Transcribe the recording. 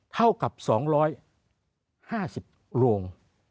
เท่ากับ๒๕๐โรง